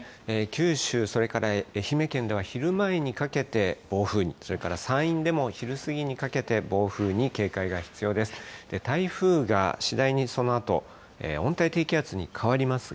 九州、それから愛媛県では昼前にかけて暴風に、それから山陰でも昼過ぎにかけて、暴風に警戒が必要です。